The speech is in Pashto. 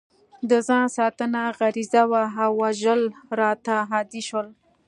د ځان ساتنه غریزه وه او وژل راته عادي شول